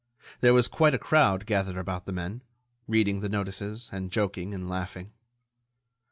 There was quite a crowd gathered about the men, reading the notices, and joking and laughing.